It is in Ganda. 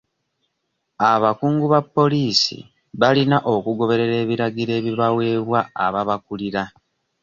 Abakungu ba poliisi balina okugoberera ebiragiro ebibaweebwa ababakulira.